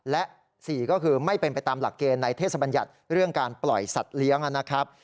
และ๔ก็คือไม่เป็นไปตามหลักเกณฑ์ในเทศบัญญัติเรื่องการปล่อยสัตว์เลี้ยงนะครับ